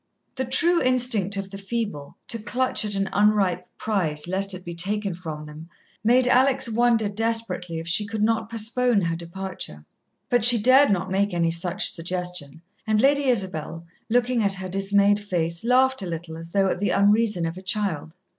The true instinct of the feeble, to clutch at an unripe prize lest it be taken from them, made Alex wonder desperately if she could not postpone her departure. But she dared not make any such suggestion, and Lady Isabel, looking at her dismayed face, laughed a little as though at the unreason of a child.